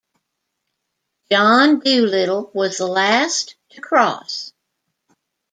John Dolittle was the last to cross.